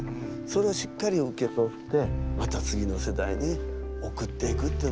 それをしっかり受け取ってまた次の世代におくっていくっていうのはね